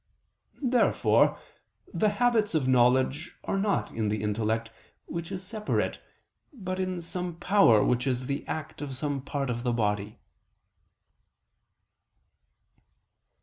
Therefore the habits of knowledge are not in the intellect, which is separate, but in some power which is the act of some part of the body.